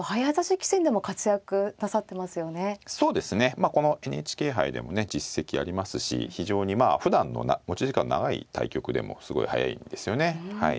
まあこのＮＨＫ杯でもね実績ありますし非常にまあふだんの持ち時間長い対局でもすごい速いんですよねはい。